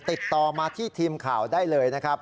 ติดต่อมาที่ทีมข่าวได้เลยนะครับ